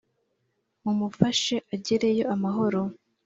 mu mufashe ajyereyo amahoro